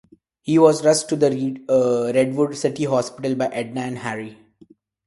He was rushed to the Redwood City Hospital by Edna and Harry.